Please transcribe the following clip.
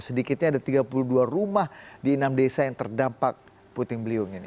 sedikitnya ada tiga puluh dua rumah di enam desa yang terdampak puting beliung ini